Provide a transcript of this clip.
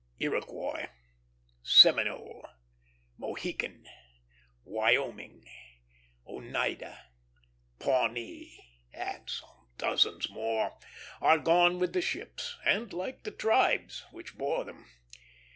Iroquois, Seminole, Mohican, Wyoming, Oneida, Pawnee, and some dozens more, are gone with the ships, and like the tribes, which bore them.